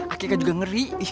akiknya juga ngeri